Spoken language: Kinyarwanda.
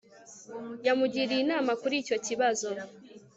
yamugiriye inama kuri icyo kibazo